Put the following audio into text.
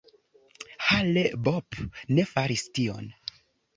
Hale-Bopp ne faris tion.